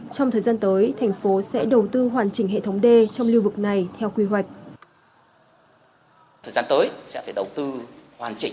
trong thời gian tới thành phố sẽ đầu tư hoàn chỉnh hệ thống nông dân